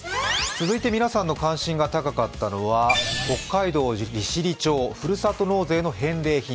続いて皆さんの関心が高かったのは北海道、ふるさと納税の返礼品。